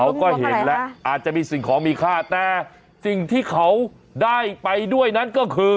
เขาก็เห็นแล้วอาจจะมีสิ่งของมีค่าแต่สิ่งที่เขาได้ไปด้วยนั้นก็คือ